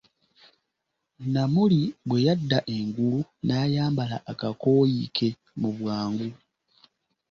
Namuli bwe yadda engulu, n'ayambala akakooyi ke mu bwangu .